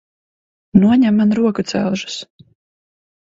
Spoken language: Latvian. Noņem man rokudzelžus!